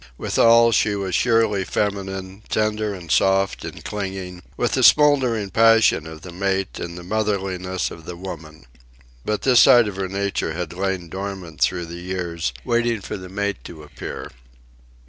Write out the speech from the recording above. Withal, she was sheerly feminine, tender and soft and clinging, with the smouldering passion of the mate and the motherliness of the woman. But this side of her nature had lain dormant through the years, waiting for the mate to appear.